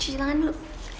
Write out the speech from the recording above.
cuci tangan dulu